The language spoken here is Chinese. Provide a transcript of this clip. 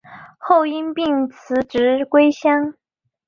后因病辞职归乡。